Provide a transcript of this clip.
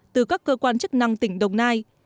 từ các cơ quan chức năng tỉnh đồng nai